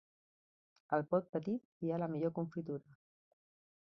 Al pot petit hi ha la millor confitura.